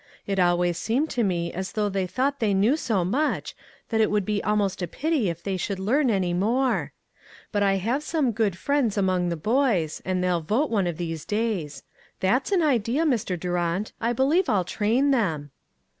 It always seemed to me as though they thought they knew so much, that it would be almost a pity if they should learn any more ! But I have some good friends among the boys, and they'll vote one of these days. That's an idea, Mr. Durant. I believe I'll train them."